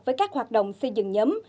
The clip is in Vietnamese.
với các hoạt động xây dựng nhóm